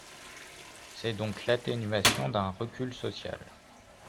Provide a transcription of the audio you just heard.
C’est donc l’atténuation d’un recul social.